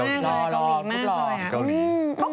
เหมือนมากเลยเกาหลีมากเลย